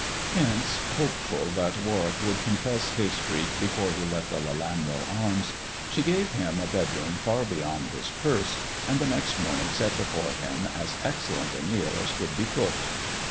Hence, hopeful that Warwick would confess his freak before he left the " Lelanro Arms," she gave him a bedroom far beyond his purse, and the next morning set before him as excellent a meal as could be cooked.